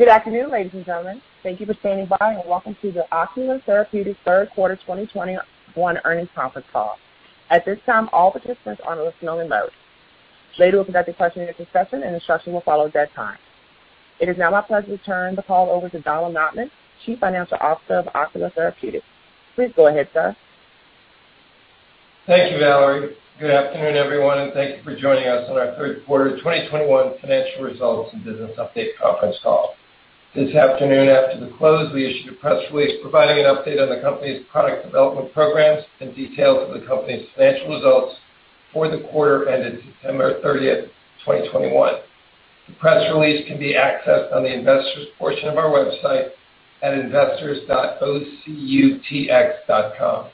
Good afternoon, ladies and gentlemen. Thank you for standing by, and welcome to the Ocular Therapeutix Third Quarter 2021 Earnings Conference Call. At this time, all participants are in a listen-only mode. Later, we'll conduct a question-and-answer session, and instruction will follow at that time. It is now my pleasure to turn the call over to Donald Notman, Chief Financial Officer of Ocular Therapeutix. Please go ahead, sir. Thank you, Valerie. Good afternoon, everyone, and thank you for joining us on our third quarter 2021 financial results and business update conference call. This afternoon after the close, we issued a press release providing an update on the company's product development programs and details of the company's financial results for the quarter ended September 30, 2021. The press release can be accessed on the investor's portion of our website at investors.ocutx.com.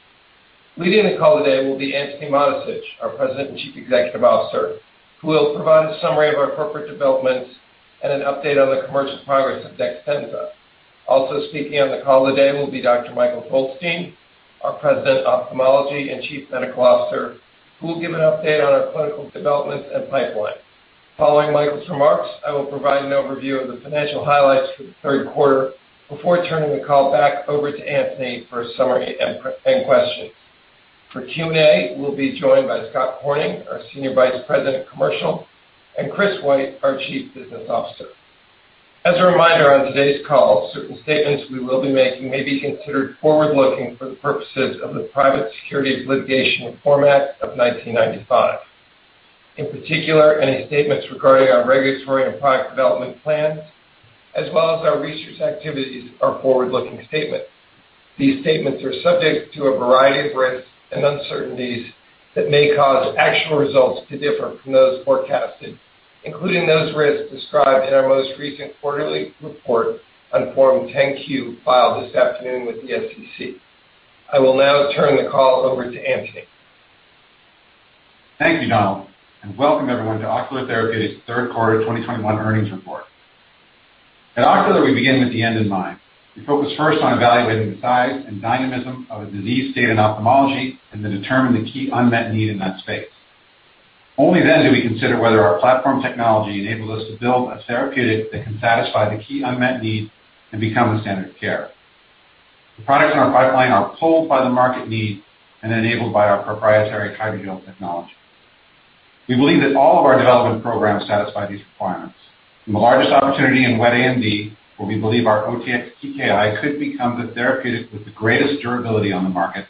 Leading the call today will be Antony Mattessich, our President and Chief Executive Officer, who will provide a summary of our corporate developments and an update on the commercial progress of DEXTENZA. Also speaking on the call today will be Dr. Michael Goldstein, our President, Ophthalmology and Chief Medical Officer, who will give an update on our clinical developments and pipeline. Following Michael's remarks, I will provide an overview of the financial highlights for the third quarter before turning the call back over to Antony for a summary and questions. For Q&A, we'll be joined by Scott Corning, our Senior Vice President, Commercial, and Chris White, our Chief Business Officer. As a reminder, on today's call, certain statements we will be making may be considered forward-looking for the purposes of the Private Securities Litigation Reform Act of 1995. In particular, any statements regarding our regulatory and product development plans as well as our research activities are forward-looking statements. These statements are subject to a variety of risks and uncertainties that may cause actual results to differ from those forecasted, including those risks described in our most recent quarterly report on Form 10-Q filed this afternoon with the SEC. I will now turn the call over to Antony. Thank you, Donald, and welcome everyone to Ocular Therapeutix's third quarter 2021 earnings report. At Ocular, we begin with the end in mind. We focus first on evaluating the size and dynamism of a disease state in ophthalmology, and to determine the key unmet need in that space. Only then do we consider whether our platform technology enables us to build a therapeutic that can satisfy the key unmet need and become the standard of care. The products in our pipeline are pulled by the market need and enabled by our proprietary hydrogel technology. We believe that all of our development programs satisfy these requirements. From the largest opportunity in wet AMD, where we believe our OTX-TKI could become the therapeutic with the greatest durability on the market,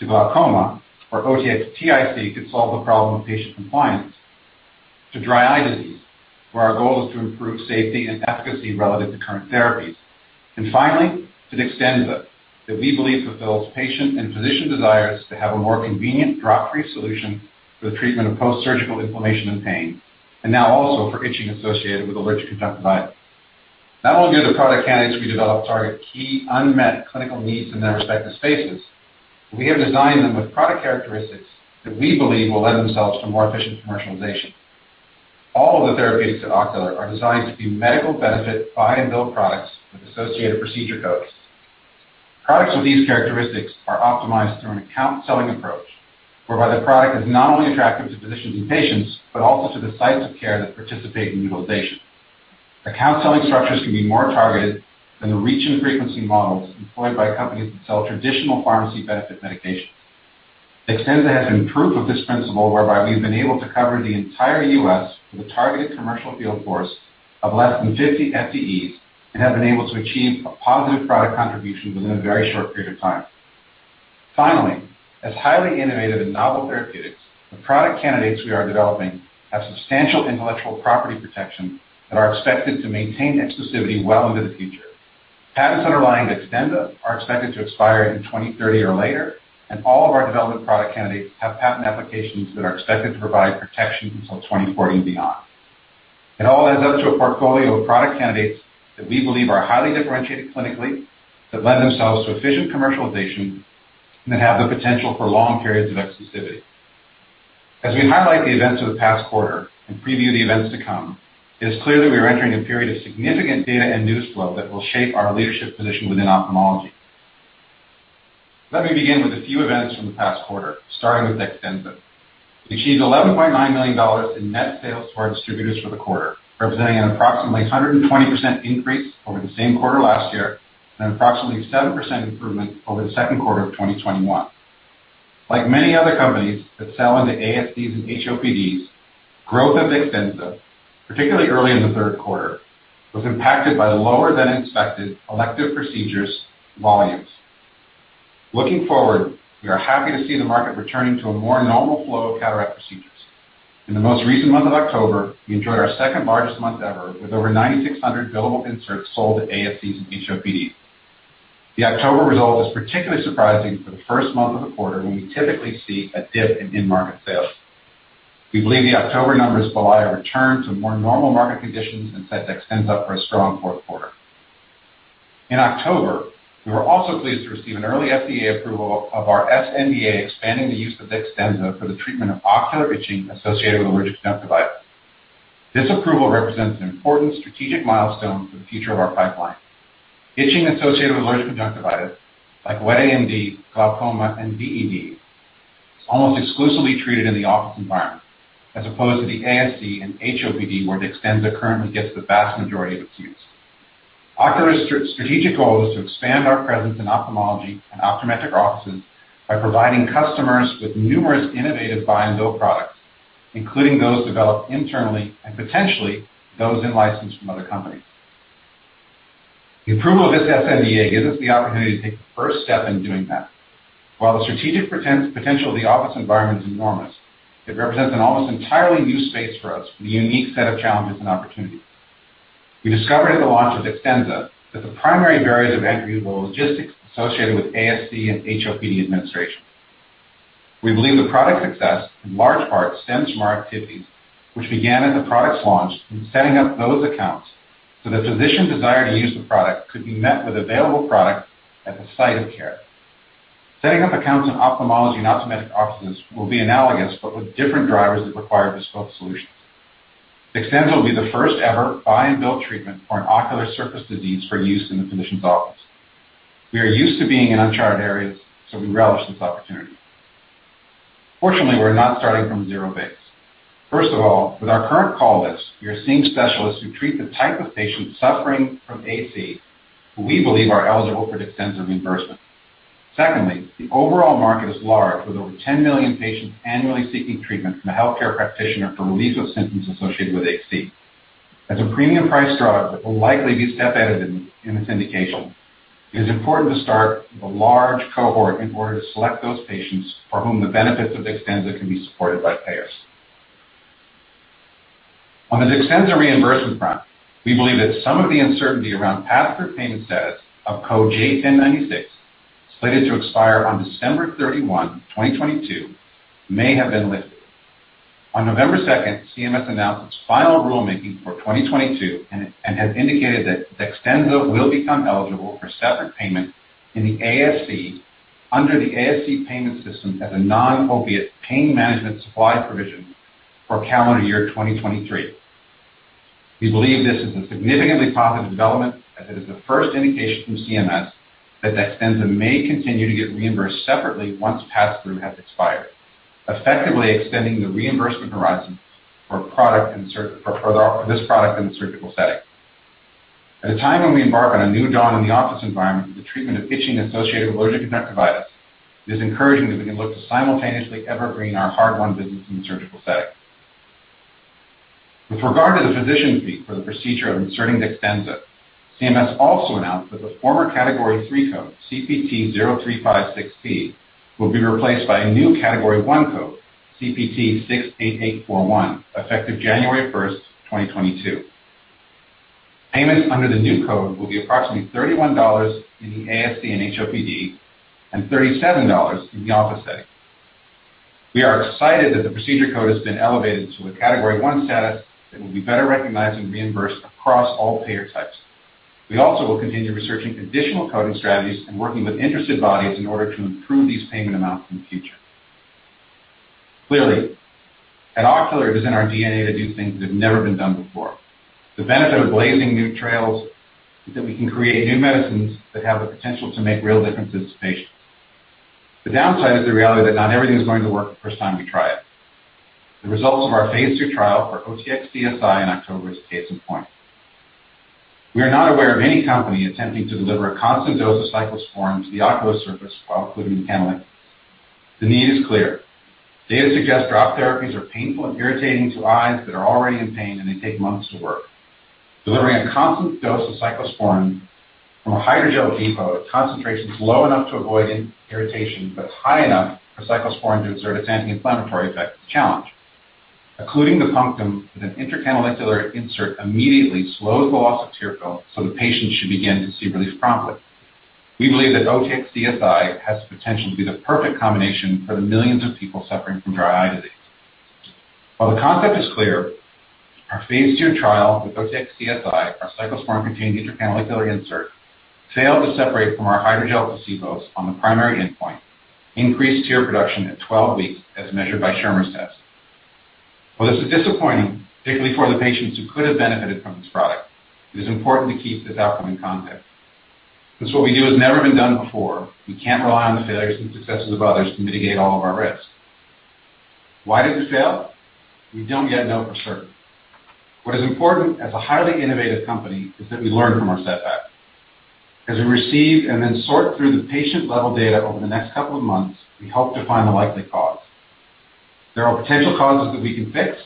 to glaucoma, where OTX-TIC could solve the problem of patient compliance, to dry eye disease, where our goal is to improve safety and efficacy relative to current therapies. Finally, to DEXTENZA, that we believe fulfills patient and physician desires to have a more convenient drop-free solution for the treatment of post-surgical inflammation and pain, and now also for itching associated with allergic conjunctivitis. Not only do the product candidates we develop target key unmet clinical needs in their respective spaces, we have designed them with product characteristics that we believe will lend themselves to more efficient commercialization. All of the therapeutics at Ocular are designed to be medical benefit buy-and-bill products with associated procedure codes. Products with these characteristics are optimized through an account-selling approach, whereby the product is not only attractive to physicians and patients, but also to the sites of care that participate in utilization. Account-selling structures can be more targeted than the reach and frequency models employed by companies that sell traditional pharmacy benefit medications. DEXTENZA has been proof of this principle whereby we've been able to cover the entire U.S. with a targeted commercial field force of less than 50 FTEs and have been able to achieve a positive product contribution within a very short period of time. Finally, as highly innovative and novel therapeutics, the product candidates we are developing have substantial intellectual property protection that are expected to maintain exclusivity well into the future. Patents underlying DEXTENZA are expected to expire in 2030 or later, and all of our development product candidates have patent applications that are expected to provide protection until 2040 and beyond. It all adds up to a portfolio of product candidates that we believe are highly differentiated clinically, that lend themselves to efficient commercialization, and that have the potential for long periods of exclusivity. As we highlight the events of the past quarter and preview the events to come, it is clear that we are entering a period of significant data and news flow that will shape our leadership position within ophthalmology. Let me begin with a few events from the past quarter, starting with DEXTENZA. We achieved $11.9 million in net sales to our distributors for the quarter, representing an approximately 120% increase over the same quarter last year and an approximately 7% improvement over the second quarter of 2021. Like many other companies that sell into ASCs and HOPDs, growth of DEXTENZA, particularly early in the third quarter, was impacted by lower than expected elective procedures volumes. Looking forward, we are happy to see the market returning to a more normal flow of cataract procedures. In the most recent month of October, we enjoyed our second largest month ever with over 9,600 billable inserts sold to ASCs and HOPDs. The October result is particularly surprising for the first month of the quarter when we typically see a dip in end market sales. We believe the October numbers belie a return to more normal market conditions and set DEXTENZA up for a strong fourth quarter. In October, we were also pleased to receive an early FDA approval of our sNDA, expanding the use of DEXTENZA for the treatment of ocular itching associated with allergic conjunctivitis. This approval represents an important strategic milestone for the future of our pipeline. Itching associated with allergic conjunctivitis, like wet AMD, glaucoma, and DED, is almost exclusively treated in the office environment as opposed to the ASC and HOPD where DEXTENZA currently gets the vast majority of its use. Our strategic goal is to expand our presence in ophthalmology and optometric offices by providing customers with numerous innovative buy-and-bill products, including those developed internally and potentially those licensed from other companies. The FDA approval gives us the opportunity to take the first step in doing that. While the strategic potential of the office environment is enormous, it represents an almost entirely new space for us with a unique set of challenges and opportunities. We discovered at the launch of DEXTENZA that the primary barriers of entry were logistics associated with ASC and HOPD administration. We believe the product success in large part stems from our activities, which began at the product's launch in setting up those accounts so the physician desire to use the product could be met with available product at the site of care. Setting up accounts in ophthalmology and optometric offices will be analogous, but with different drivers that require bespoke solutions. DEXTENZA will be the first ever buy-and-bill treatment for an ocular surface disease for use in the physician's office. We are used to being in uncharted areas, so we relish this opportunity. Fortunately, we're not starting from zero base. First of all, with our current call list, we are seeing specialists who treat the type of patients suffering from AC who we believe are eligible for DEXTENZA reimbursement. Secondly, the overall market is large, with over 10 million patients annually seeking treatment from a healthcare practitioner for relief of symptoms associated with AC. As a premium price drug that will likely be step edited in this indication, it is important to start with a large cohort in order to select those patients for whom the benefits of DEXTENZA can be supported by payers. On the DEXTENZA reimbursement front, we believe that some of the uncertainty around pass-through payment status of code J1096, slated to expire on December 31, 2022, may have been lifted. On November 2, CMS announced its final rulemaking for 2022 and has indicated that DEXTENZA will become eligible for separate payment in the ASC under the ASC payment system as a non-opiate pain management supply provision for calendar year 2023. We believe this is a significantly positive development as it is the first indication from CMS that DEXTENZA may continue to get reimbursed separately once pass through has expired, effectively extending the reimbursement horizon for this product in the surgical setting. At a time when we embark on a new dawn in the office environment for the treatment of itching associated with allergic conjunctivitis, it is encouraging that we can look to simultaneously evergreen our hard-won business in the surgical setting. With regard to the physician fee for the procedure of inserting DEXTENZA, CMS also announced that the former category three code, CPT 0356T, will be replaced by a new category one code, CPT 68841, effective January 1, 2022. Payments under the new code will be approximately $31 in the ASC and HOPD and $37 in the office setting. We are excited that the procedure code has been elevated to a category one status that will be better recognized and reimbursed across all payer types. We also will continue researching additional coding strategies and working with interested bodies in order to improve these payment amounts in the future. Clearly, at Ocular, it is in our DNA to do things that have never been done before. The benefit of blazing new trails is that we can create new medicines that have the potential to make real differences to patients. The downside is the reality that not everything is going to work the first time we try it. The results of our phase II trial for OTX-CSI in October is a case in point. We are not aware of any company attempting to deliver a constant dose of cyclosporine to the ocular surface while occluding the canaliculus. The need is clear. Data suggests drop therapies are painful and irritating to eyes that are already in pain, and they take months to work. Delivering a constant dose of cyclosporine from a hydrogel depot at concentrations low enough to avoid irritation but high enough for cyclosporine to exert its anti-inflammatory effect is a challenge. Occluding the punctum with an intracanalicular insert immediately slows the loss of tear film so the patient should begin to see relief promptly. We believe that OTX-CSI has the potential to be the perfect combination for the millions of people suffering from dry eye disease. While the concept is clear, our phase II trial with OTX-CSI, our cyclosporine-containing intracanalicular insert, failed to separate from our hydrogel placebos on the primary endpoint, increased tear production at 12 weeks as measured by Schirmer's test. While this is disappointing, particularly for the patients who could have benefited from this product, it is important to keep this outcome in context. Since what we do has never been done before, we can't rely on the failures and successes of others to mitigate all of our risks. Why did we fail? We don't yet know for sure. What is important as a highly innovative company is that we learn from our setbacks. As we receive and then sort through the patient-level data over the next couple of months, we hope to find the likely cause. There are potential causes that we can fix,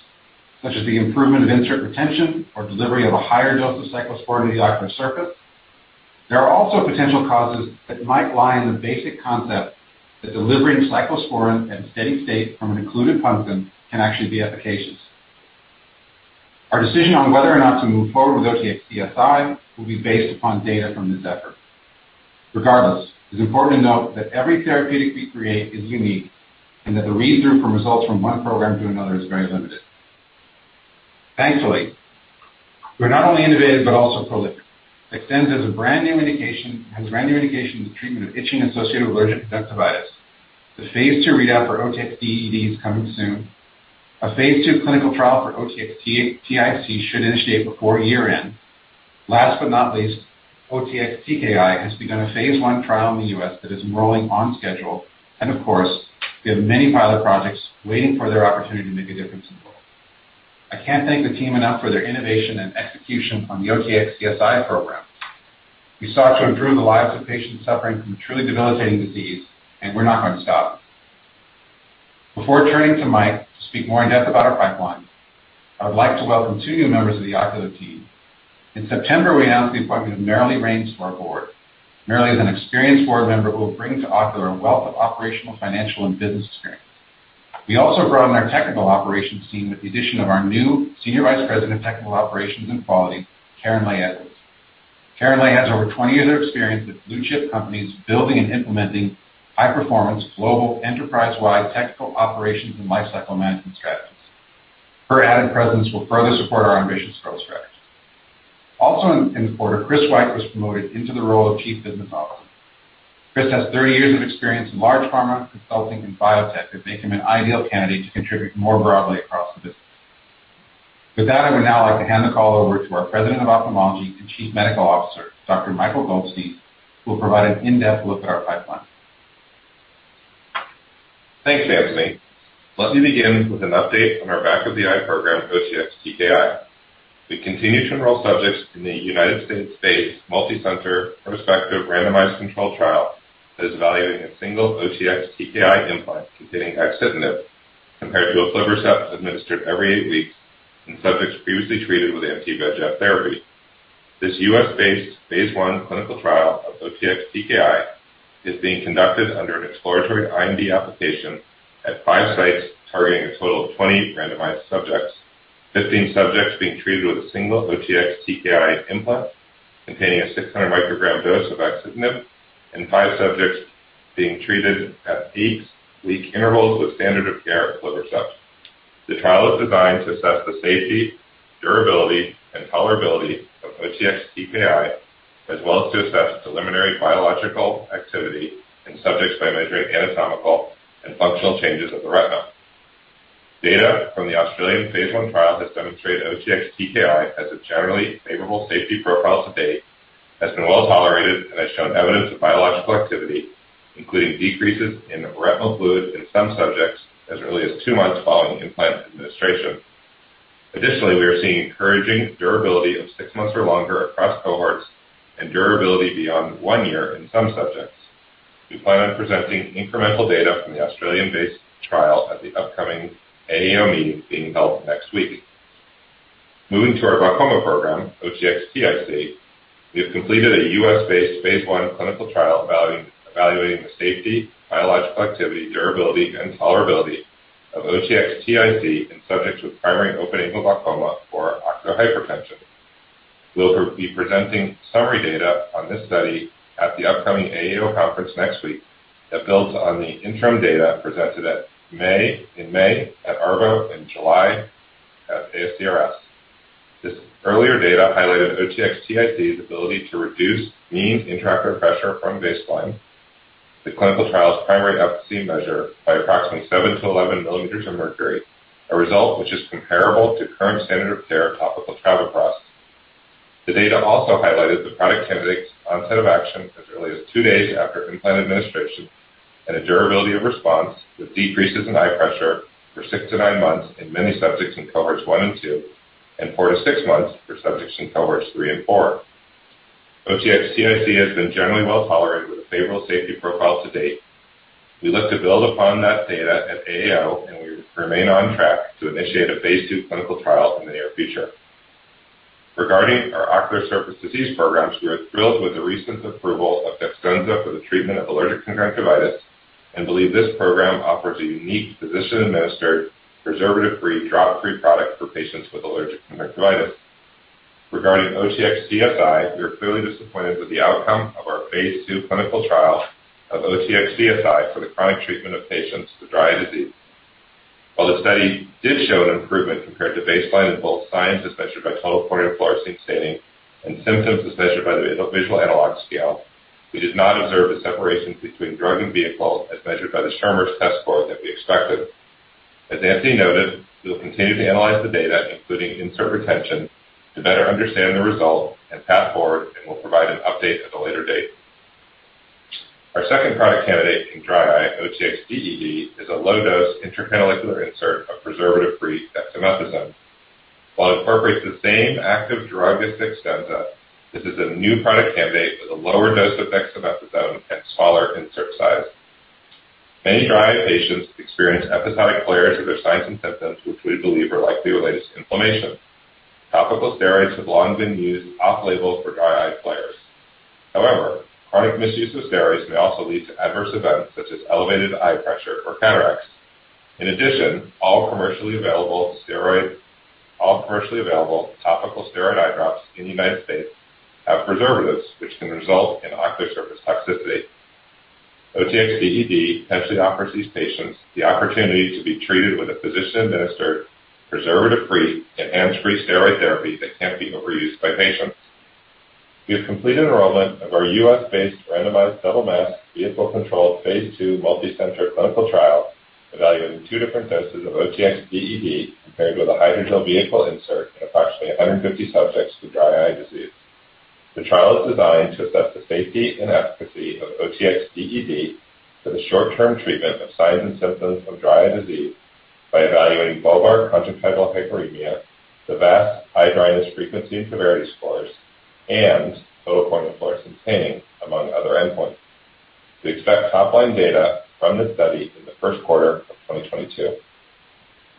such as the improvement of insert retention or delivery of a higher dose of cyclosporine to the ocular surface. There are also potential causes that might lie in the basic concept that delivering cyclosporine at steady state from an occluded punctum can actually be efficacious. Our decision on whether or not to move forward with OTX-CSI will be based upon data from this effort. Regardless, it is important to note that every therapeutic we create is unique and that the read-through from results from one program to another is very limited. Thankfully, we're not only innovative but also prolific. DEXTENZA has a brand new indication in the treatment of itching associated with allergic conjunctivitis. The phase II readout for OTX-DED is coming soon. A phase II clinical trial for OTX-TIC should initiate before year-end. Last but not least, OTX-TKI has begun a phase I trial in the U.S. that is enrolling on schedule. Of course, we have many pilot projects waiting for their opportunity to make a difference in the world. I can't thank the team enough for their innovation and execution on the OTX-CSI program. We sought to improve the lives of patients suffering from truly debilitating disease, and we're not going to stop. Before turning to Mike to speak more in depth about our pipeline, I would like to welcome two new members of the Ocular team. In September, we announced the appointment of Merilee Raines to our board. Merilee is an experienced board member who will bring to Ocular a wealth of operational, financial, and business experience. We also broadened our technical operations team with the addition of our new Senior Vice President of Technical Operations and Quality, Karen-Leigh Edwards. Karen-Leigh has over 20 years of experience with blue-chip companies building and implementing high-performance, global, enterprise-wide technical operations and lifecycle management strategies. Her added presence will further support our ambitious growth strategy. Also in the quarter, Chris White was promoted into the role of Chief Business Officer. Chris has 30 years of experience in large pharma, consulting, and biotech that make him an ideal candidate to contribute more broadly across the business. With that, I would now like to hand the call over to our President of Ophthalmology and Chief Medical Officer, Dr. Michael Goldstein, who will provide an in-depth look at our pipeline. Thanks, Antony. Let me begin with an update on our back-of-the-eye program, OTX-TKI. We continue to enroll subjects in the U.S.-based, multicenter, prospective, randomized controlled trial that is evaluating a single OTX-TKI implant containing axitinib compared to aflibercept administered every 8 weeks in subjects previously treated with anti-VEGF therapy. This U.S.-based phase I clinical trial of OTX-TKI is being conducted under an exploratory IND application at five sites targeting a total of 20 randomized subjects, 15 subjects being treated with a single OTX-TKI implant containing a 600 µg dose of axitinib, and five subjects being treated at eight-week intervals with standard of care aflibercept. The trial is designed to assess the safety, durability, and tolerability of OTX-TKI, as well as to assess preliminary biological activity in subjects by measuring anatomical and functional changes of the retina. Data from the Australian phase I trial has demonstrated OTX-TKI has a generally favorable safety profile to date, has been well tolerated, and has shown evidence of biological activity, including decreases in retinal fluid in some subjects as early as two months following implant administration. Additionally, we are seeing encouraging durability of six months or longer across cohorts and durability beyond one year in some subjects. We plan on presenting incremental data from the Australian-based trial at the upcoming AAO meeting being held next week. Moving to our glaucoma program, OTX-TIC, we have completed a U.S.-based phase I clinical trial evaluating the safety, biological activity, durability, and tolerability of OTX-TIC in subjects with primary open-angle glaucoma or ocular hypertension. We'll be presenting summary data on this study at the upcoming AAO conference next week that builds on the interim data presented in May at ARVO and July at ASCRS. This earlier data highlighted OTX-TIC's ability to reduce mean intraocular pressure from baseline, the clinical trial's primary efficacy measure by approximately 7-11 mm of mercury, a result which is comparable to current standard of care topical timolol. The data also highlighted the product candidate's onset of action as early as two days after implant administration and a durability of response with decreases in eye pressure for six-nine months in many subjects in cohorts one and two and four-six months for subjects in cohorts three and four. OTX-TIC has been generally well tolerated with a favorable safety profile to date. We look to build upon that data at AAO, and we remain on track to initiate a phase II clinical trial in the near future. Regarding our ocular surface disease programs, we are thrilled with the recent approval of DEXTENZA for the treatment of allergic conjunctivitis and believe this program offers a unique physician-administered, preservative-free, drop-free product for patients with allergic conjunctivitis. Regarding OTX-CSI, we are clearly disappointed with the outcome of our phase II clinical trial of OTX-CSI for the chronic treatment of patients with dry eye disease. While the study did show an improvement compared to baseline in both signs, as measured by total corneal fluorescein staining, and symptoms, as measured by the visual analog scale, we did not observe the separations between drug and vehicle as measured by the Schirmer's test score that we expected. As Antony noted, we will continue to analyze the data, including insert retention, to better understand the result and path forward, and we'll provide an update at a later date. Our second product candidate in dry eye, OTX-DEB, is a low-dose intracanalicular insert of preservative-free dexamethasone. While it incorporates the same active drug as DEXTENZA, this is a new product candidate with a lower dose of dexamethasone and smaller insert size. Many dry eye patients experience episodic flares of their signs and symptoms, which we believe are likely related to inflammation. Topical steroids have long been used off-label for dry eye flares. However, chronic misuse of steroids may also lead to adverse events such as elevated eye pressure or cataracts. In addition, all commercially available topical steroid eye drops in the United States have preservatives, which can result in ocular surface toxicity. OTX-DEB potentially offers these patients the opportunity to be treated with a physician-administered, preservative-free, and hands-free steroid therapy that can't be overused by patients. We have completed enrollment of our U.S.-based randomized double-masked vehicle-controlled phase II multi-center clinical trial evaluating two different doses of OTX-DED compared with a hydrogel vehicle insert in approximately 150 subjects with dry eye disease. The trial is designed to assess the safety and efficacy of OTX-DED for the short-term treatment of signs and symptoms of dry eye disease by evaluating bulbar conjunctival hyperemia, the VAS eye dryness frequency severity scores, and total corneal fluorescein staining, among other endpoints. We expect top-line data from this study in the first quarter of 2022.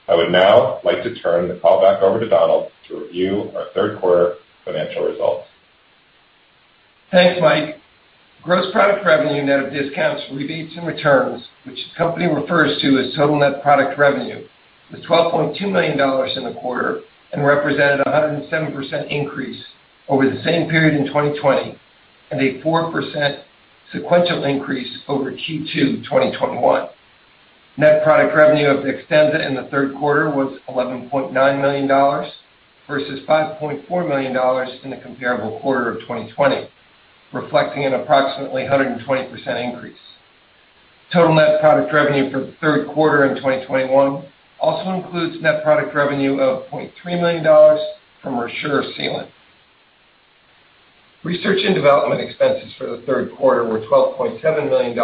I would now like to turn the call back over to Donald to review our third quarter financial results. Thanks, Mike. Gross product revenue net of discounts, rebates, and returns, which the company refers to as total net product revenue, was $12.2 million in the quarter and represented a 107% increase over the same period in 2020 and a 4% sequential increase over Q2 2021. Net product revenue of DEXTENZA in the third quarter was $11.9 million versus $5.4 million in the comparable quarter of 2020, reflecting an approximately 120% increase. Total net product revenue for the third quarter in 2021 also includes net product revenue of $0.3 million from ReSure Sealant. Research and development expenses for the third quarter were $12.7 million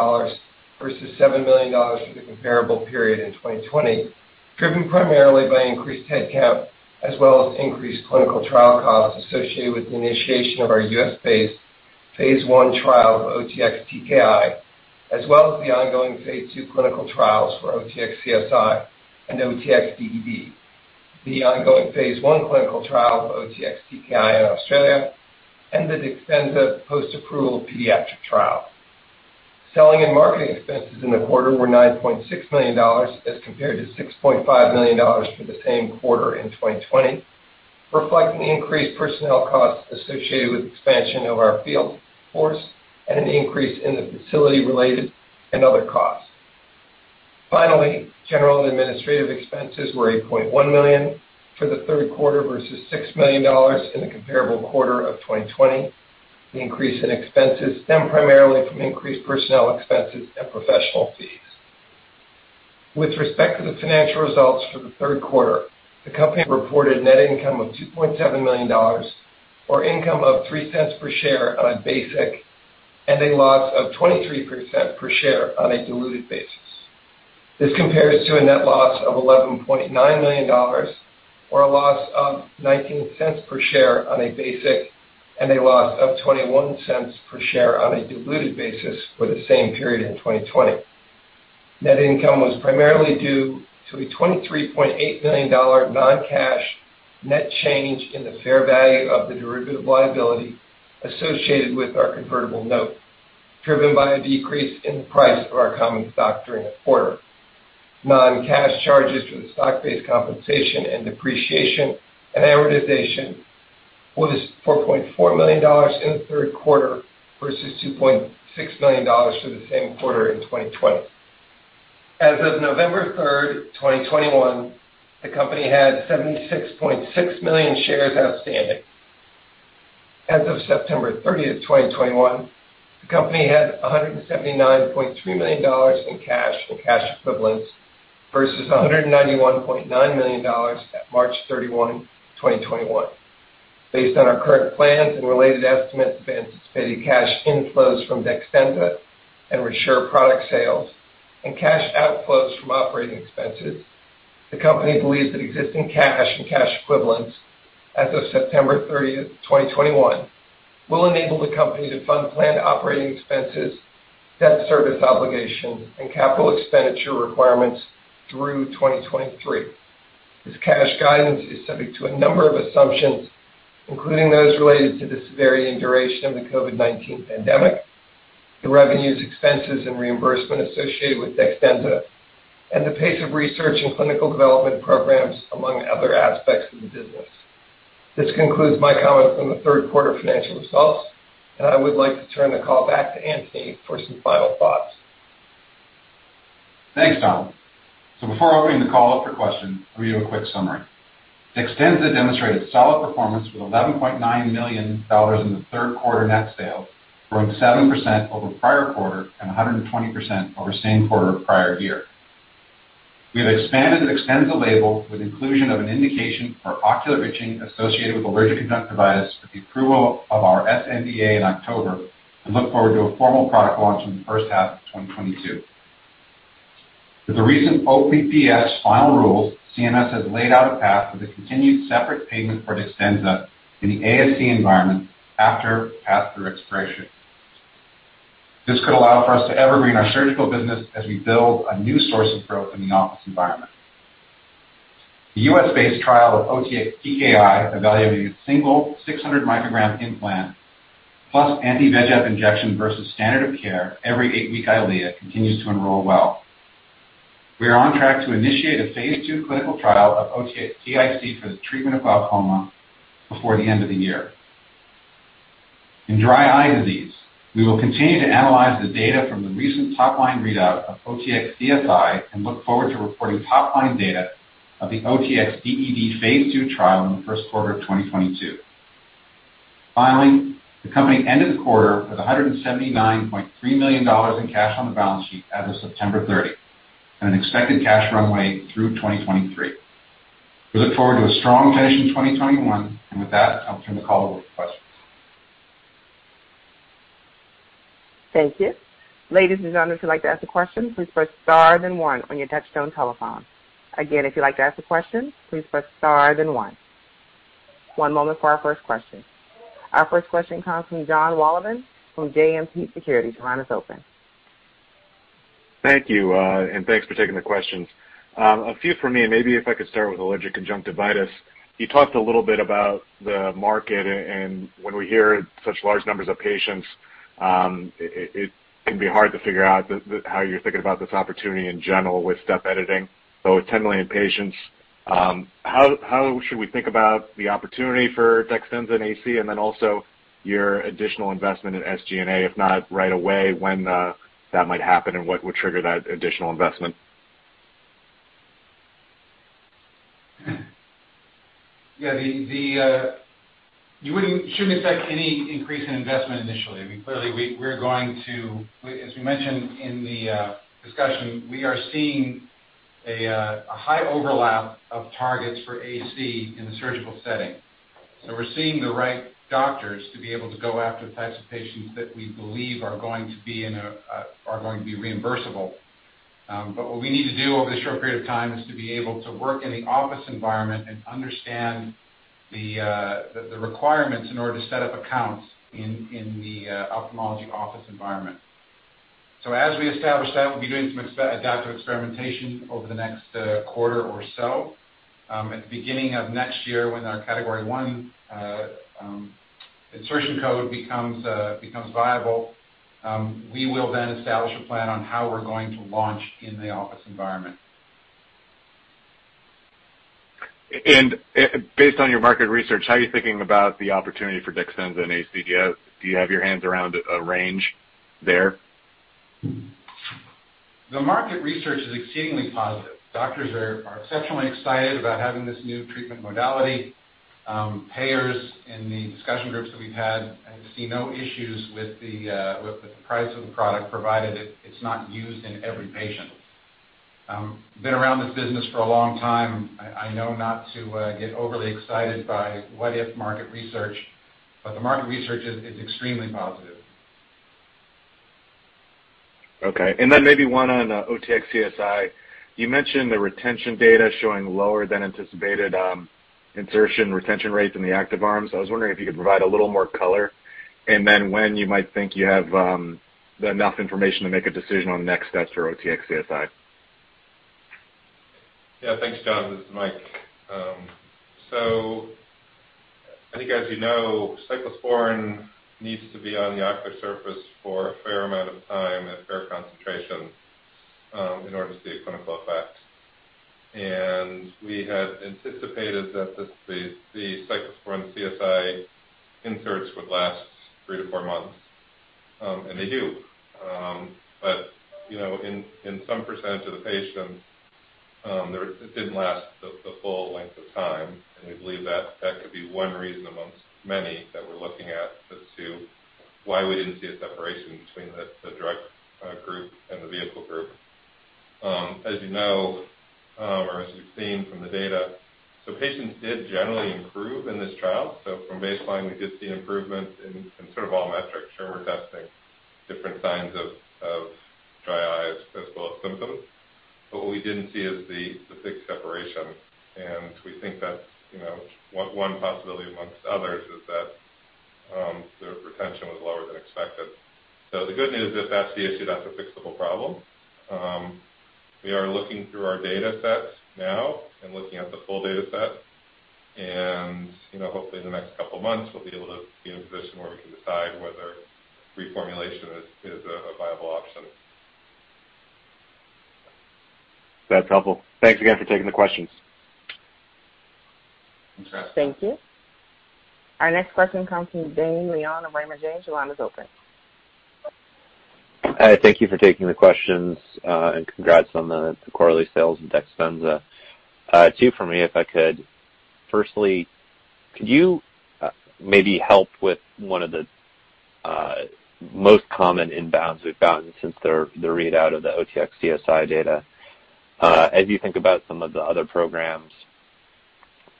versus $7 million for the comparable period in 2020, driven primarily by increased head count as well as increased clinical trial costs associated with the initiation of our U.S.-based phase I trial of OTX-TKI, as well as the ongoing phase II clinical trials for OTX-CSI and OTX-DED, the ongoing phase I clinical trial for OTX-TKI in Australia, and the DEXTENZA post-approval pediatric trial. Selling and marketing expenses in the quarter were $9.6 million as compared to $6.5 million for the same quarter in 2020, reflecting the increased personnel costs associated with expansion of our field force and an increase in the facility related and other costs. Finally, general and administrative expenses were $8.1 million for the third quarter versus $6 million in the comparable quarter of 2020. The increase in expenses stemmed primarily from increased personnel expenses and professional fees. With respect to the financial results for the third quarter, the company reported net income of $2.7 million or income of $0.03 per share on a basic and a loss of $0.23 per share on a diluted basis. This compares to a net loss of $11.9 million, or a loss of $0.19 per share on a basic, and a loss of $0.21 per share on a diluted basis for the same period in 2020. Net income was primarily due to a $23.8 million non-cash net change in the fair value of the derivative liability associated with our convertible note, driven by a decrease in the price of our common stock during the quarter. Non-cash charges for the stock-based compensation and depreciation and amortization was $4.4 million in the third quarter versus $2.6 million for the same quarter in 2020. As of November 3, 2021, the company had 76.6 million shares outstanding. As of September 30, 2021, the company had $179.3 million in cash and cash equivalents versus $191.9 million at March 31, 2021. Based on our current plans and related estimates of anticipated cash inflows from DEXTENZA and REFRESH product sales and cash outflows from operating expenses, the company believes that existing cash and cash equivalents as of September 30, 2021, will enable the company to fund planned operating expenses, debt service obligations, and capital expenditure requirements through 2023. This cash guidance is subject to a number of assumptions, including those related to this varying duration of the COVID-19 pandemic, the revenues, expenses, and reimbursement associated with DEXTENZA, and the pace of research and clinical development programs, among other aspects of the business. This concludes my comments on the third quarter financial results, and I would like to turn the call back to Anthony for some final thoughts. Thanks, Donald. Before opening the call up for questions, let me give a quick summary. DEXTENZA demonstrated solid performance with $11.9 million in the third quarter net sales, growing 7% over the prior quarter and 120% over same quarter prior year. We have expanded the DEXTENZA label with inclusion of an indication for ocular itching associated with allergic conjunctivitis with the approval of our sNDA in October and look forward to a formal product launch in the first half of 2022. With the recent OPPS final rules, CMS has laid out a path with a continued separate payment for DEXTENZA in the ASC environment after pass-through expiration. This could allow for us to evergreen our surgical business as we build a new source of growth in the office environment. The U.S.-based trial of OTX-TKI evaluating a single 600 µg implant plus anti-VEGF injection versus standard of care every eight-week EYLEA continues to enroll well. We are on track to initiate a phase II clinical trial of OTX-TIC for the treatment of glaucoma before the end of the year. In dry eye disease, we will continue to analyze the data from the recent top-line readout of OTX-CSI and look forward to reporting top-line data of the OTX-DED phase II trial in the first quarter of 2022. Finally, the company ended the quarter with $179.3 million in cash on the balance sheet as of September 30 and an expected cash runway through 2023. We look forward to a strong finish in 2021. With that, I'll turn the call over for questions. Thank you. Ladies and gentlemen, if you'd like to ask a question, please press star then one on your touchtone telephone. Again, if you'd like to ask a question, please press star then one. One moment for our first question. Our first question comes from Jonathan Wolleben from JMP Securities. Your line is open. Thank you. And thanks for taking the questions. A few for me, and maybe if I could start with allergic conjunctivitis. You talked a little bit about the market, and when we hear such large numbers of patients, it can be hard to figure out how you're thinking about this opportunity in general with step editing. With 10 million patients, how should we think about the opportunity for DEXTENZA NC? And then also your additional investment in SG&A, if not right away, when that might happen and what would trigger that additional investment? Yeah. You shouldn't expect any increase in investment initially. I mean, clearly, as we mentioned in the discussion, we are seeing a high overlap of targets for AC in the surgical setting. We're seeing the right doctors to be able to go after the types of patients that we believe are going to be reimbursable. But what we need to do over this short period of time is to be able to work in the office environment and understand the requirements in order to set up accounts in the ophthalmology office environment. As we establish that, we'll be doing some adaptive experimentation over the next quarter or so. At the beginning of next year, when our Category I insertion code becomes viable, we will then establish a plan on how we're going to launch in the office environment. Based on your market research, how are you thinking about the opportunity for DEXTENZA in AC? Do you have your hands around a range there? The market research is exceedingly positive. Doctors are exceptionally excited about having this new treatment modality. Payers in the discussion groups that we've had, I see no issues with the price of the product, provided it's not used in every patient. Been around this business for a long time. I know not to get overly excited by what if market research, but the market research is extremely positive. Okay. Maybe one on OTX-CSI. You mentioned the retention data showing lower than anticipated insertion retention rates in the active arms. I was wondering if you could provide a little more color, and then when you might think you have enough information to make a decision on the next steps for OTX-CSI. Yeah. Thanks, John. This is Mike. I think as you know, cyclosporine needs to be on the ocular surface for a fair amount of time at fair concentration, in order to see a clinical effect. We had anticipated that the OTX-CSI inserts would last three-four months, and they do. You know, in some percentage of the patients, it didn't last the full length of time. We believe that that could be one reason among many that we're looking at as to why we didn't see a separation between the drug group and the vehicle group. As you know, or as you've seen from the data, patients did generally improve in this trial. From baseline, we did see improvement in sort of all metrics. Sure, we're testing different signs of dry eyes as well as symptoms. What we didn't see is the thick separation, and we think that's, you know, one possibility amongst others is that the retention was lower than expected. The good news is if that's the issue, that's a fixable problem. We are looking through our data sets now and looking at the full data set. You know, hopefully in the next couple of months, we'll be able to be in a position where we can decide whether reformulation is a viable option. That's helpful. Thanks again for taking the questions. Thanks, John. Thank you. Our next question comes from Dane Leone of Raymond James. Your line is open. Hi, thank you for taking the questions, and congrats on the quarterly sales of DEXTENZA. Two for me, if I could. Firstly, could you maybe help with one of the most common inbounds we've gotten since the readout of the OTX-CSI data? As you think about some of the other programs,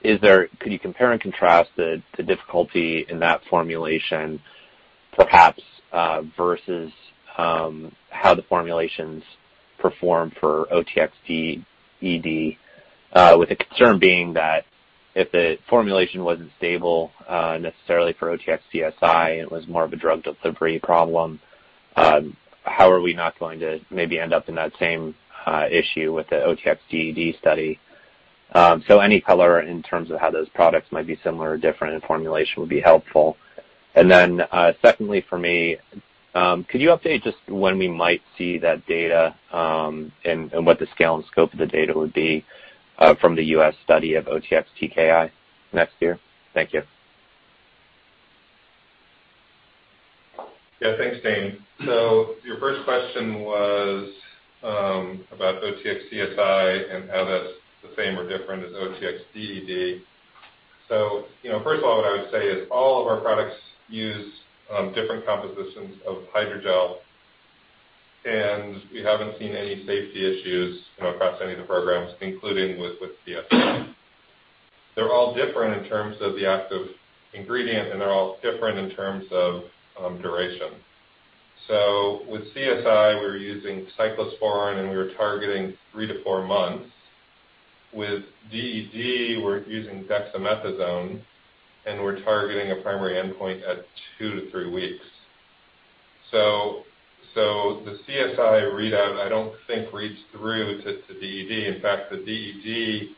could you compare and contrast the difficulty in that formulation, perhaps, versus how the formulations perform for OTX-DED, with the concern being that if the formulation wasn't stable necessarily for OTX-CSI, and it was more of a drug delivery problem, how are we not going to maybe end up in that same issue with the OTX-DED study? Any color in terms of how those products might be similar or different in formulation would be helpful. Secondly for me, could you update just when we might see that data, and what the scale and scope of the data would be? From the U.S. study of OTX-TKI next year? Thank you. Yeah. Thanks, Dane. Your first question was about OTX-CSI and how that's the same or different as OTX-DED. You know, first of all, what I would say is all of our products use different compositions of hydrogel, and we haven't seen any safety issues, you know, across any of the programs, including with CSI. They're all different in terms of the active ingredient, and they're all different in terms of duration. With CSI, we were using cyclosporine, and we were targeting three-four months. With DED, we're using dexamethasone, and we're targeting a primary endpoint at two-three weeks. The CSI readout, I don't think reads through to DED. In fact, the DED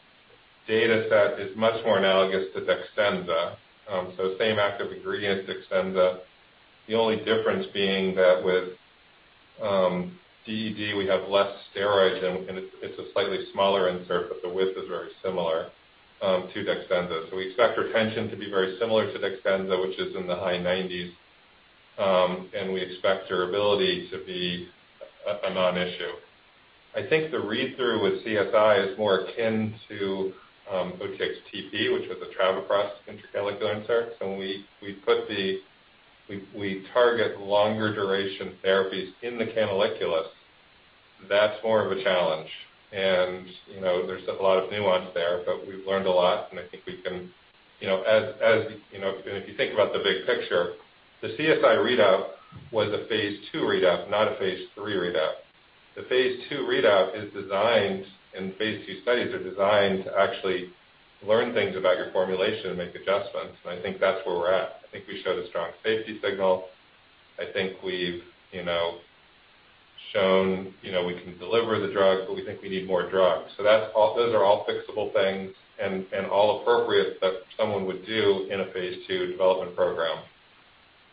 data set is much more analogous to DEXTENZA. Same active ingredient as DEXTENZA. The only difference being that with DED, we have less steroids, and it's a slightly smaller insert, but the width is very similar to DEXTENZA. So we expect retention to be very similar to DEXTENZA, which is in the high 90s. And we expect durability to be a non-issue. I think the read-through with CSI is more akin to OTX-TP, which was a travoprost intracanalicular insert. So when we target longer duration therapies in the canaliculus, that's more of a challenge. You know, there's a lot of nuance there, but we've learned a lot, and I think we can. You know, as you know, and if you think about the big picture, the CSI readout was a phase II readout, not a phase III readout. The phase II readout is designed, and phase II studies are designed to actually learn things about your formulation and make adjustments, and I think that's where we're at. I think we showed a strong safety signal. I think we've, you know, shown, you know, we can deliver the drug, but we think we need more drug. So that's all. Those are all fixable things and all appropriate that someone would do in a phase II development program.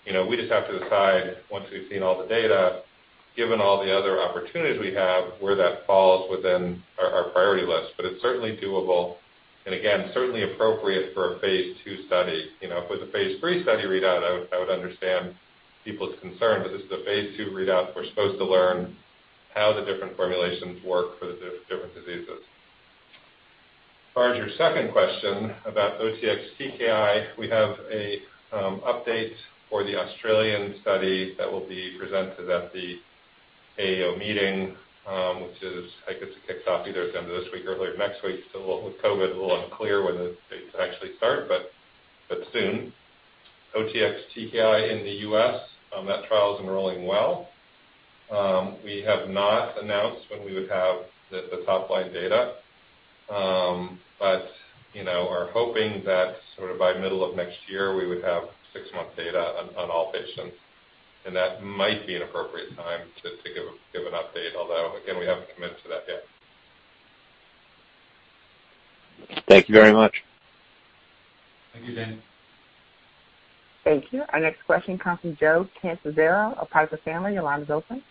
You know, we just have to decide once we've seen all the data, given all the other opportunities we have, where that falls within our priority list. It's certainly doable, and again, certainly appropriate for a phase II study. You know, if it was a phase III study readout, I would understand people's concern. This is a phase II readout. We're supposed to learn how the different formulations work for the different diseases. As far as your second question about OTX-TKI, we have an update for the Australian study that will be presented at the AAO meeting, which is, I think it's kicked off either at the end of this week or earlier next week. Still with COVID, a little unclear when the dates actually start, but soon. OTX-TKI in the US, that trial is enrolling well. We have not announced when we would have the top-line data. But you know, are hoping that sort of by middle of next year, we would have six-month data on all patients, and that might be an appropriate time to give an update, although, again, we haven't committed to that yet. Thank you very much. Thank you, Dane. Thank you. Our next question comes from Joe Catanzaro of Piper Sandler. Your line is open.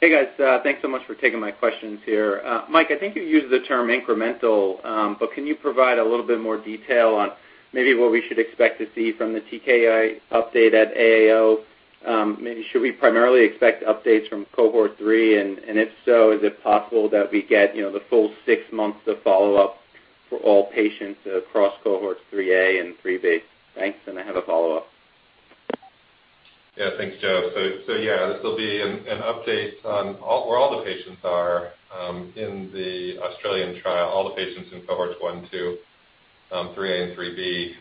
Hey, guys. Thanks so much for taking my questions here. Mike, I think you used the term incremental, but can you provide a little bit more detail on maybe what we should expect to see from the TKI update at AAO? Maybe should we primarily expect updates from cohort three? And if so, is it possible that we get, you know, the full six months of follow-up for all patients across cohorts three A and three B? Thanks, and I have a follow-up. Yeah. Thanks, Joe. Yeah, this will be an update on where all the patients are in the Australian trial, all the patients in cohorts one, two, three A and three B.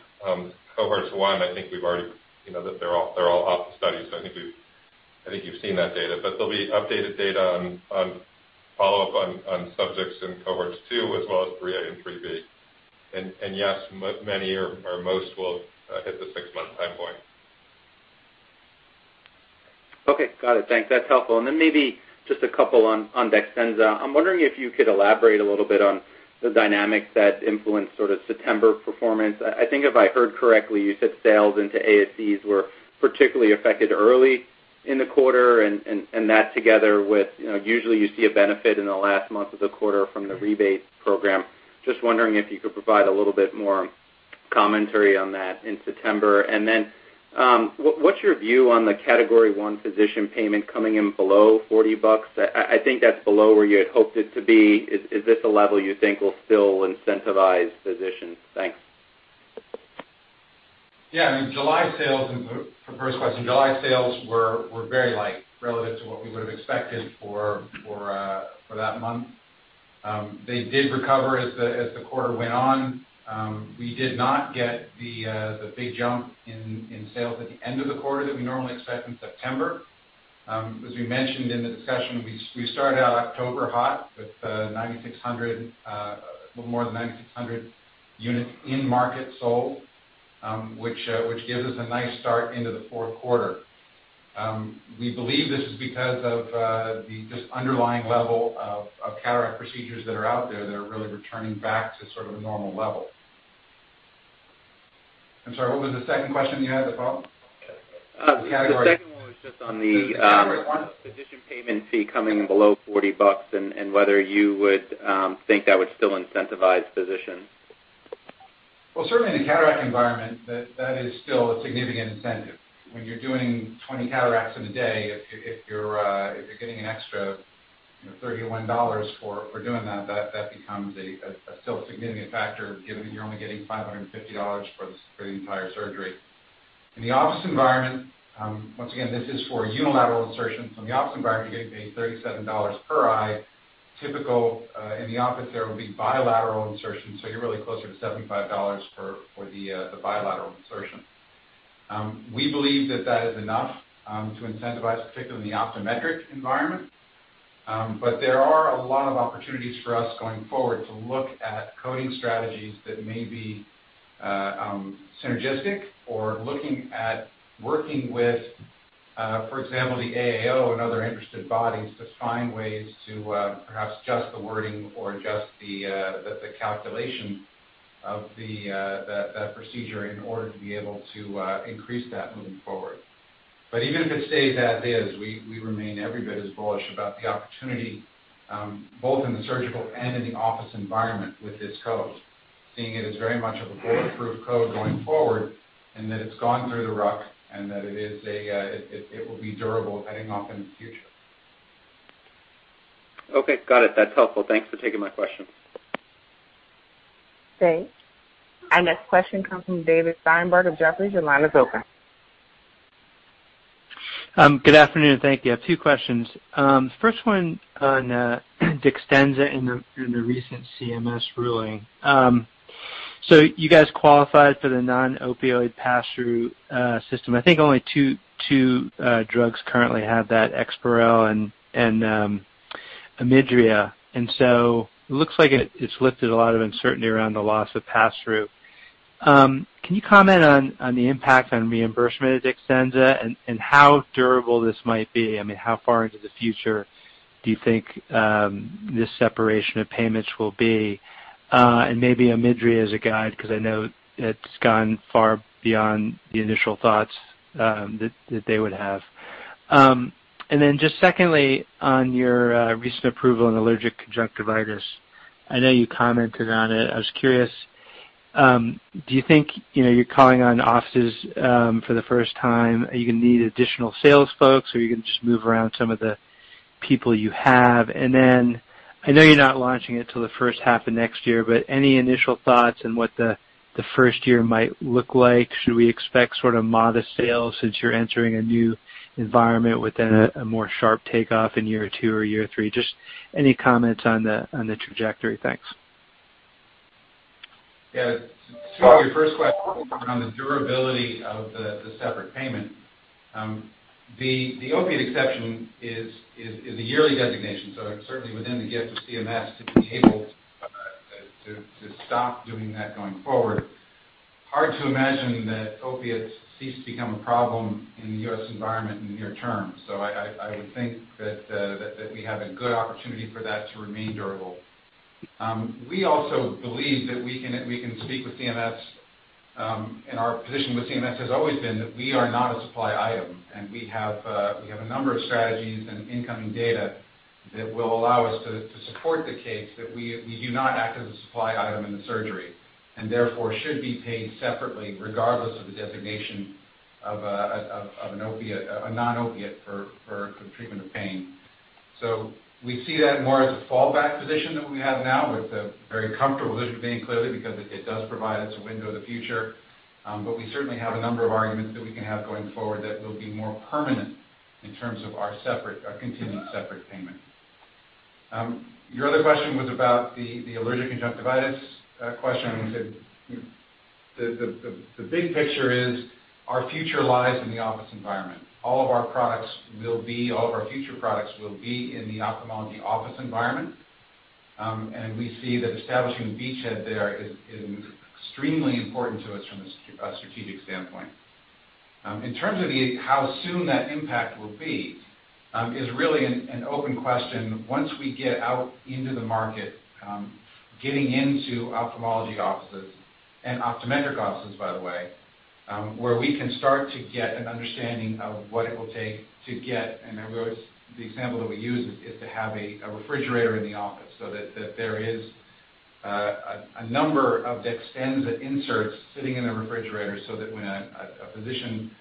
Cohorts one, I think we've already you know that they're all off the study, so I think you've seen that data. There'll be updated data on follow-up on subjects in cohorts two as well as three A and three B. Yes, many or most will hit the six-month time point. Okay. Got it. Thanks. That's helpful. Maybe just a couple on DEXTENZA. I'm wondering if you could elaborate a little bit on the dynamics that influence sort of September performance. I think if I heard correctly, you said sales into ASCs were particularly affected early in the quarter and that together with, you know, usually you see a benefit in the last month of the quarter from the rebate program. Just wondering if you could provide a little bit more commentary on that in September. What’s your view on the Category I physician payment coming in below $40? I think that's below where you had hoped it to be. Is this a level you think will still incentivize physicians? Thanks. Yeah. I mean, for the first question, July sales were very light relative to what we would have expected for that month. They did recover as the quarter went on. We did not get the big jump in sales at the end of the quarter that we normally expect in September. As we mentioned in the discussion, we started out October hot with a little more than 9,600 units in market sold, which gives us a nice start into the fourth quarter. We believe this is because of the underlying level of cataract procedures that are out there that are really returning back to a normal level. I'm sorry, what was the second question you had, Paul? The second one was just on the physician payment fee coming below $40 and whether you would think that would still incentivize physicians. Well, certainly in the cataract environment, that is still a significant incentive. When you're doing 20 cataracts in a day, if you're getting an extra, you know, $31 for doing that becomes a still significant factor given that you're only getting $550 for the entire surgery. In the office environment, once again, this is for unilateral insertions. From the office environment, you're getting paid $37 per eye. Typically in the office, there will be bilateral insertions, so you're really closer to $75 for the bilateral insertion. We believe that that is enough to incentivize, particularly in the optometric environment. There are a lot of opportunities for us going forward to look at coding strategies that may be synergistic or looking at working with, for example, the AAO and other interested bodies to find ways to perhaps adjust the wording or adjust the calculation of that procedure in order to be able to increase that moving forward. Even if it stays as is, we remain every bit as bullish about the opportunity, both in the surgical and in the office environment with this code, seeing it as very much of a bulletproof code going forward, and that it's gone through the wringer and that it will be durable heading off into the future. Okay. Got it. That's helpful. Thanks for taking my question. Thanks. Our next question comes from David Steinberg of Jefferies. Your line is open. Good afternoon. Thank you. Two questions. First one on DEXTENZA and the recent CMS ruling. So you guys qualified for the non-opioid passthrough system. I think only two drugs currently have that, EXPAREL and OMIDRIA. It looks like it's lifted a lot of uncertainty around the loss of passthrough. Can you comment on the impact on reimbursement at DEXTENZA and how durable this might be? I mean, how far into the future do you think this separation of payments will be? Maybe OMIDRIA as a guide, because I know it's gone far beyond the initial thoughts that they would have. Just secondly, on your recent approval on allergic conjunctivitis. I know you commented on it. I was curious, do you think, you know, you're calling on offices for the first time, are you gonna need additional sales folks, or you can just move around some of the people you have? I know you're not launching it till the first half of next year, but any initial thoughts on what the first year might look like? Should we expect sort of modest sales since you're entering a new environment with a more sharp takeoff in year two or year three? Just any comments on the trajectory. Thanks. Yeah. To your first question on the durability of the separate payment, the opiate exception is a yearly designation, so certainly within the gift of CMS to be able to stop doing that going forward. Hard to imagine that opiates cease to become a problem in the U.S. environment in the near term. I would think that we have a good opportunity for that to remain durable. We also believe that we can speak with CMS, and our position with CMS has always been that we are not a supply item, and we have a number of strategies and incoming data that will allow us to support the case that we do not act as a supply item in the surgery, and therefore should be paid separately regardless of the designation of a non-opioid for treatment of pain. We see that more as a fallback position that we have now with a very comfortable position being clearly because it does provide us a window to the future. We certainly have a number of arguments that we can have going forward that will be more permanent in terms of our continued separate payment. Your other question was about the allergic conjunctivitis question. The big picture is our future lies in the office environment. All of our future products will be in the ophthalmology office environment. We see that establishing beachhead there is extremely important to us from a strategic standpoint. In terms of how soon that impact will be is really an open question. Once we get out into the market, getting into ophthalmology offices and optometric offices, by the way, where we can start to get an understanding of what it will take to get, and I always, the example that we use is to have a refrigerator in the office so that there is a number of DEXTENZA inserts sitting in a refrigerator so that when a physician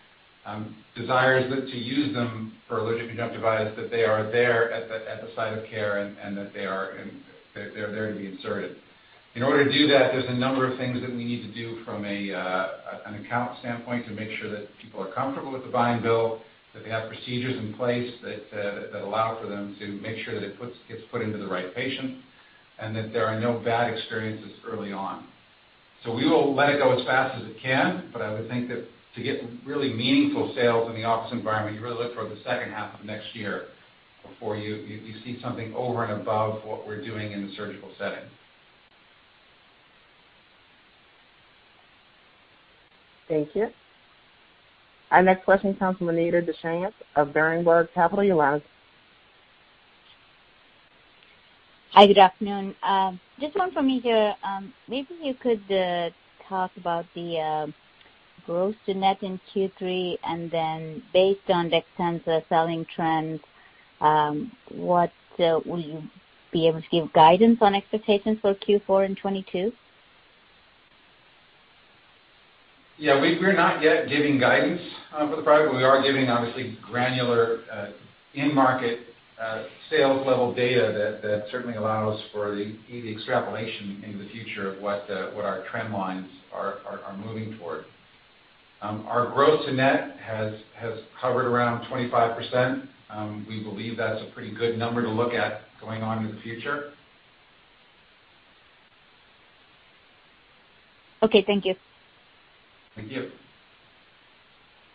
desires to use them for allergic conjunctivitis, that they are there at the site of care, and that they are there to be inserted. In order to do that, there's a number of things that we need to do from a, an account standpoint to make sure that people are comfortable with the buy-and-bill, that they have procedures in place that that allow for them to make sure that it gets put into the right patient, and that there are no bad experiences early on. We will let it go as fast as it can, but I would think that to get really meaningful sales in the office environment, you really look for the second half of next year before you see something over and above what we're doing in the surgical setting. Thank you. Our next question comes from Anita Deshanes of Berenberg Capital Markets. Hi, good afternoon. Just one for me here. Maybe you could talk about the gross to net in Q3, and then based on DEXTENZA selling trends, what will you be able to give guidance on expectations for Q4 in 2022? Yeah. We're not yet giving guidance for the product. We are giving obviously granular in market sales level data that certainly allow us to the easy extrapolation into the future of what our trend lines are moving toward. Our gross to net has hovered around 25%. We believe that's a pretty good number to look at going on in the future. Okay. Thank you. Thank you.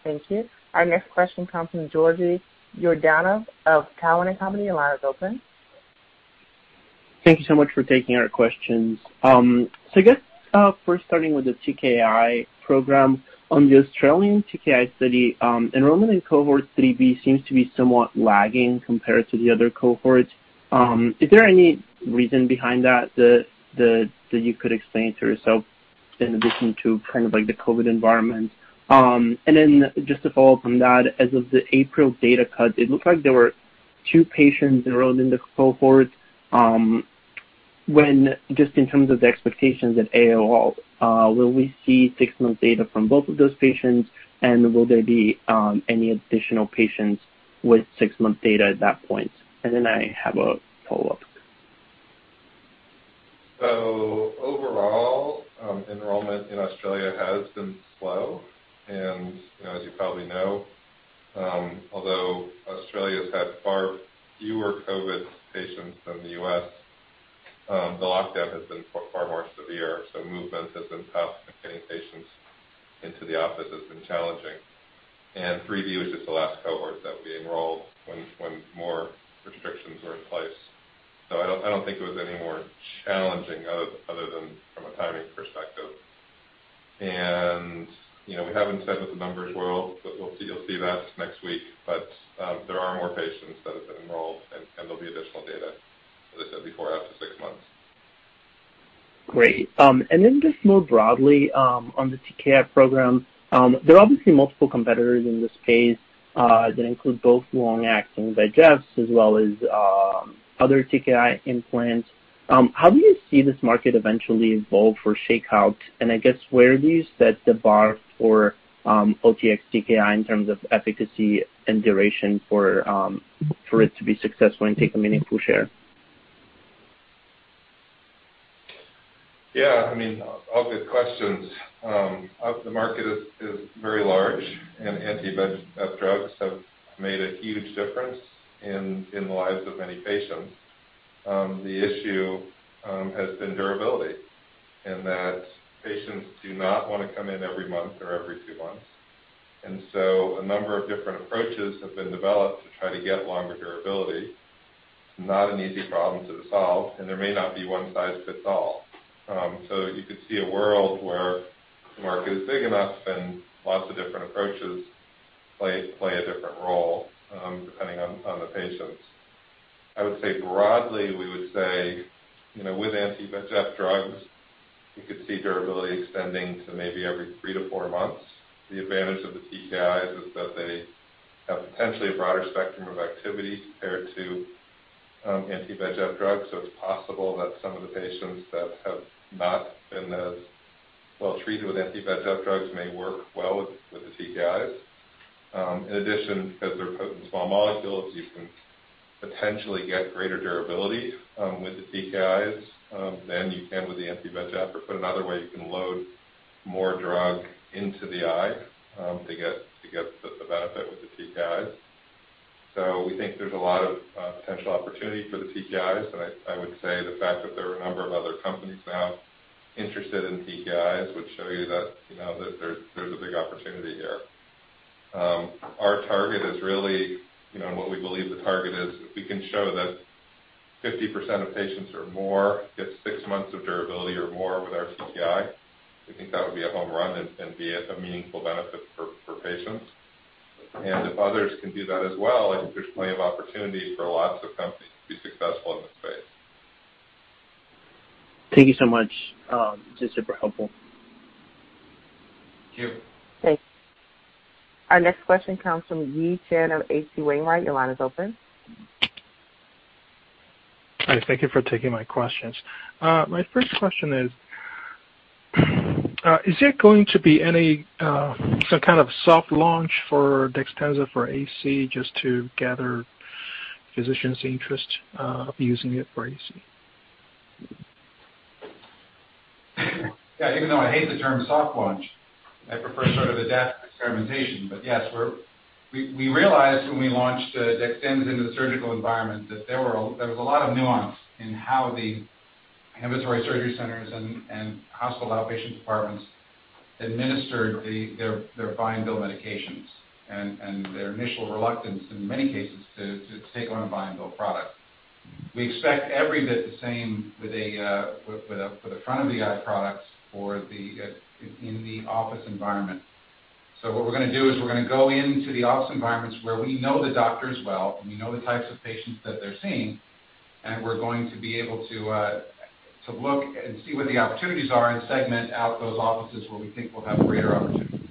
Thank you. Our next question comes from Georgi Yordanov of Cowen and Company. Your line is open. Thank you so much for taking our questions. First starting with the TKI program. On the Australian TKI study, enrollment in cohort 3B seems to be somewhat lagging compared to the other cohorts. Is there any reason behind that that you could explain to us in addition to kind of like the COVID environment? Just to follow up on that, as of the April data cut, it looks like there were two patients enrolled in the cohort. Now, just in terms of the expectations at AAO, will we see six-month data from both of those patients, and will there be any additional patients with six-month data at that point? I have a follow-up. Overall, enrollment in Australia has been slow. You know, as you probably know, although Australia's had far fewer COVID patients than the U.S., the lockdown has been far, far more severe, so movement has been tough and getting patients into the office has been challenging. 3B was just the last cohort that we enrolled when more restrictions were in place. I don't think it was any more challenging other than from a timing perspective. You know, we haven't said what the numbers were, but you'll see that next week. There are more patients that have been enrolled and there'll be additional data, as I said before, after six months. Great. Just more broadly, on the TKI program. There are obviously multiple competitors in this space that include both long-acting VEGF as well as other TKI implants. How do you see this market eventually evolve or shake out? I guess, where do you set the bar for OTX-TKI in terms of efficacy and duration for it to be successful and take a meaningful share? Yeah, I mean, all good questions. The market is very large, and anti-VEGF drugs have made a huge difference in the lives of many patients. The issue has been durability in that patients do not want to come in every month or every two months. A number of different approaches have been developed to try to get longer durability. It's not an easy problem to solve, and there may not be one size fits all. You could see a world where the market is big enough and lots of different approaches play a different role, depending on the patients. I would say broadly, we would say, you know, with anti-VEGF drugs, you could see durability extending to maybe every three to four months. The advantage of the TKIs is that they have potentially a broader spectrum of activity compared to anti-VEGF drugs. It's possible that some of the patients that have not been as well treated with anti-VEGF drugs may work well with the TKIs. In addition, because they're potent small molecules, you can potentially get greater durability with the TKIs than you can with the anti-VEGF. Put another way, you can load more drug into the eye to get the benefit with the TKIs. We think there's a lot of potential opportunity for the TKIs. I would say the fact that there are a number of other companies now interested in TKIs would show you that you know that there's a big opportunity here. Our target is really, you know, and what we believe the target is, if we can show that 50% of patients or more get six months of durability or more with our TKI, we think that would be a home run and be a meaningful benefit for patients. If others can do that as well, I think there's plenty of opportunity for lots of companies to be successful in this space. Thank you so much. This is super helpful. Thank you. Thanks. Our next question comes from Yi Chen of H.C. Wainwright. Your line is open. Hi. Thank you for taking my questions. My first question is there going to be any, some kind of soft launch for DEXTENZA for AC just to gather physicians' interest, using it for AC? Yeah. Even though I hate the term soft launch, I prefer sort of adaptive experimentation. Yes, we realized when we launched DEXTENZA into the surgical environment, that there was a lot of nuance in how the ambulatory surgery centers and hospital outpatient departments administered their buy-and-bill medications and their initial reluctance in many cases to take on a buy-and-bill product. We expect every bit the same for the front of the eye products in the office environment. What we're gonna do is we're gonna go into the office environments where we know the doctors well and we know the types of patients that they're seeing, and we're going to be able to look and see where the opportunities are and segment out those offices where we think we'll have greater opportunity.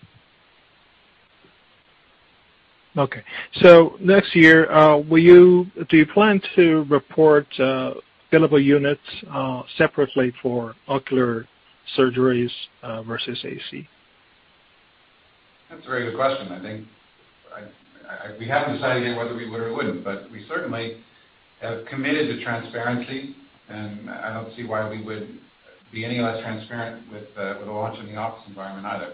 Okay. Next year, do you plan to report billable units separately for ocular surgeries versus ASC? That's a very good question. We haven't decided yet whether we would or wouldn't, but we certainly have committed to transparency, and I don't see why we would be any less transparent with a launch in the office environment either.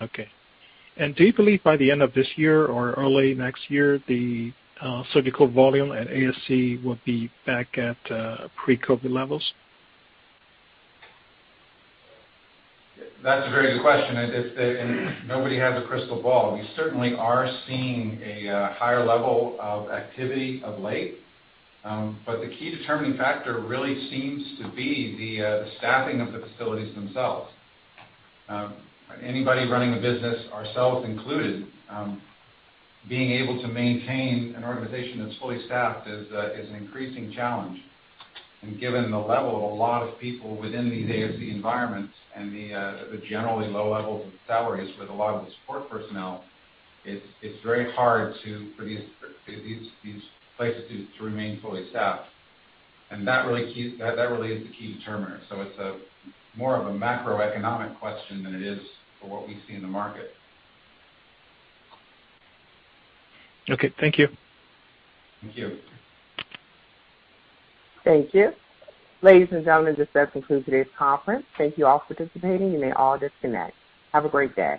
Okay. Do you believe by the end of this year or early next year, the surgical volume at ASC will be back at pre-COVID levels? That's a very good question, and nobody has a crystal ball. We certainly are seeing a higher level of activity of late, but the key determining factor really seems to be the staffing of the facilities themselves. Anybody running a business, ourselves included, being able to maintain an organization that's fully staffed is an increasing challenge. Given the level of a lot of people within these ASC environments and the generally low levels of salaries with a lot of the support personnel, it's very hard for these places to remain fully staffed. That really is the key determiner. It's more of a macroeconomic question than it is for what we see in the market. Okay. Thank you. Thank you. Thank you. Ladies and gentlemen, this does conclude today's conference. Thank you all for participating. You may all disconnect. Have a great day.